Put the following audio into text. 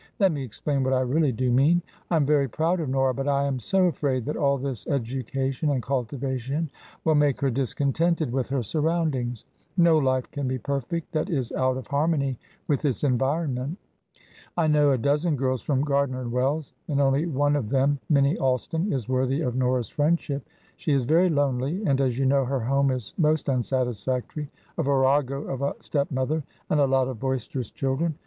Let me explain what I really do mean. I am very proud of Nora, but I am so afraid that all this education and cultivation will make her discontented with her surroundings; no life can be perfect that is out of harmony with its environment. I know a dozen girls from Gardiner & Wells', and only one of them, Minnie Alston, is worthy of Nora's friendship. She is very lonely, and, as you know, her home is most unsatisfactory a virago of a step mother, and a lot of boisterous children.